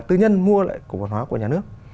tư nhân mua lại của vận hòa của nhà nước